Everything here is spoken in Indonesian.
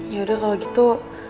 yaudah kalau gitu